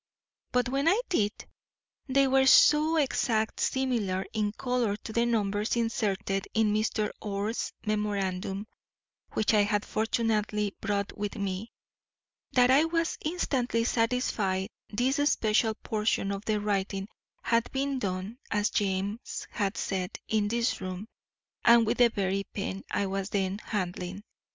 But when I did, they were so exactly similar in colour to the numbers inserted in Mr. Orr's memorandum (which I had fortunately brought with me) that I was instantly satisfied this especial portion of the writing had been done, as James had said, in this room, and with the very pen I was then handling.